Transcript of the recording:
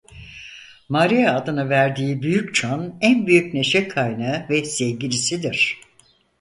Marie adını verdiği büyük çan en büyük neşe kaynağı ve sevgilisidir.